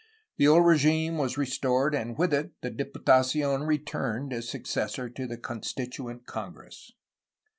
The old regime was re stored, and with it the Diputacion returned as successor of the Constituent Congress.